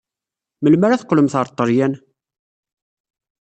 Melmi ara teqqlemt ɣer Ṭṭalyan?